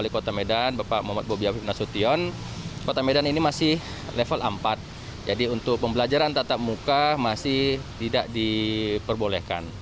kota medan ini masih level empat jadi untuk pembelajaran tatap muka masih tidak diperbolehkan